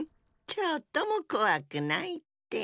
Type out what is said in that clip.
ちょっともこわくないって。